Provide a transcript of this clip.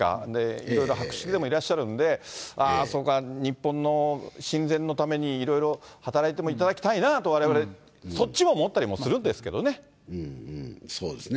いろいろ博識でもいらっしゃるんで、ああ、そうか、日本の親善のために、いろいろ働いてもいただきたいなと、われわれ、そっちもうん、うん、そうですね。